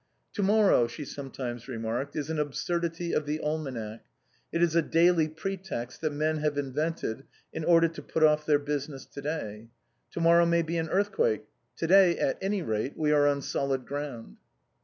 " To morrow," she sometimes remarked, " is an absurdity of the almanac, it is a daily pretext that men have invented in order to put off their business to day. To morrow may be an earthquake. To day, at any rate, we are on solid ground."